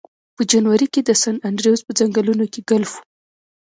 په جنوري کې د سن انډریوز په ځنګلونو کې ګلف و